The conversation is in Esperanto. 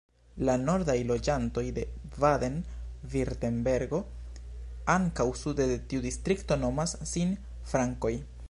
La nordaj loĝantoj de Baden-Virtembergo ankaŭ sude de tiu distrikto nomas sin Frankoj.